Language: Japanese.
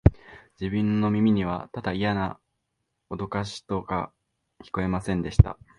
自分の耳には、ただイヤなおどかしとしか聞こえませんでした